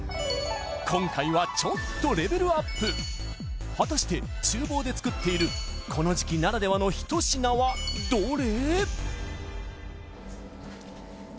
今回はちょっとレベルアップ果たして厨房で作っているこの時期ならではのひと品はどれ？